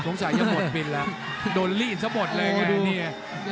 สงสัยยักษ์หมดปิดแล้วโดนลีนเสมอหมดเลยไงเนี่ย